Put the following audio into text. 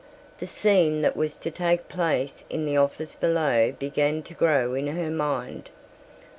The scene that was to take place in the office below began to grow in her mind.